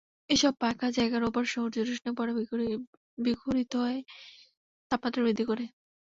এসব পাকা জায়গার ওপর সূর্যরশ্মি পড়ে বিকরিত হয়ে তাপমাত্রা বৃদ্ধি করে।